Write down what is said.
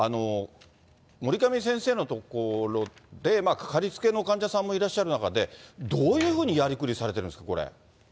守上先生の所で掛かりつけの患者さんもいらっしゃる中で、どういうふうにやり繰りされてるんですか、これ。